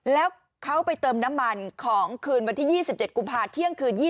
แล้วเขาไปเติมน้ำมันของคืนวันที่๒๗กุมภาคเที่ยงคืน๒๐